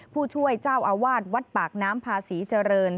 ผู้ช่วยเจ้าอาวาสวัดปากน้ำพาศรีเจริญ